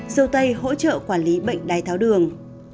dâu tây hỗ trợ quản lý bệnh đái tháo đường